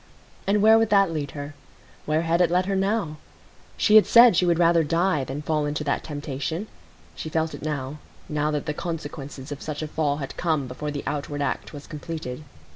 And where would that lead her? Where had it led her now? She had said she would rather die than fall into that temptation. She felt it now,—now that the consequences of such a fall had come before the outward act was completed.